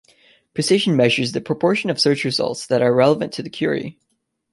Precision measures the proportion of search results that are relevant to the query.